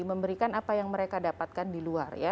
memberikan apa yang mereka dapatkan di luar ya